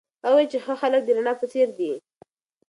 هغه وویل چي ښه خلک د رڼا په څېر دي.